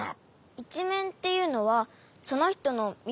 いちめんっていうのはそのひとのみためってこと？